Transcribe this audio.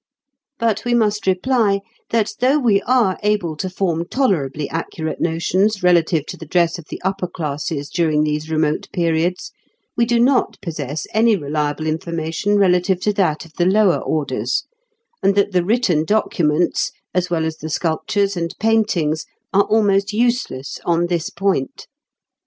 But we must reply, that though we are able to form tolerably accurate notions relative to the dress of the upper classes during these remote periods, we do not possess any reliable information relative to that of the lower orders, and that the written documents, as well as the sculptures and paintings, are almost useless on this point.